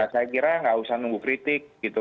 saya kira nggak usah nunggu kritik gitu